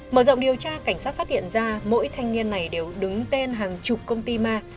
mở rộng điều tra cảnh sát phát hiện ra mỗi thanh niên này đều đứng tên hàng chục công ty ma